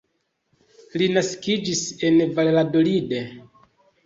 Li naskiĝis en Valladolid.